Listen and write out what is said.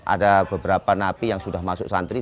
ada beberapa napi yang sudah masuk santri